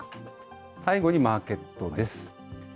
最後にマーケットです。